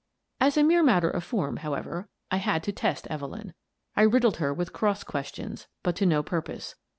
As a mere matter of form, however, I had to test Evelyn. I riddled her with cross questions, but to no purpose.